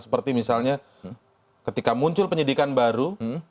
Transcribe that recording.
seperti misalnya ketika muncul penyidikan baru